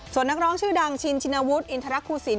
ส่วนนักร้องชื่อดังชินชินวุฒิอินทรคูสิน